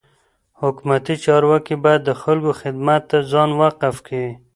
حکومتي چارواکي باید د خلکو خدمت ته ځان وقف کي.